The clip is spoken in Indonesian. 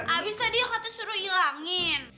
abis tadi yang kata suruh hilangin